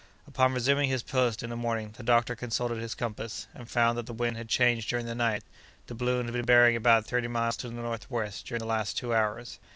Upon resuming his post, in the morning, the doctor consulted his compass, and found that the wind had changed during the night. The balloon had been bearing about thirty miles to the northwest during the last two hours.